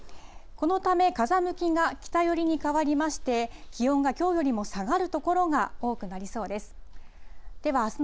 このため風向きが北寄りに変わりまして、気温がきょうよりも下がる所が多くなりそうです。